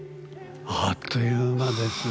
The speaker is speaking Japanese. あっという間ですね。